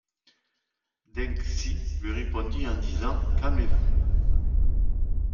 Deng Xi lui répondit en disant: “Calmez-vous.